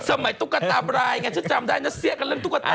ตุ๊กตาบรายไงฉันจำได้นะเสี้ยกันเรื่องตุ๊กตา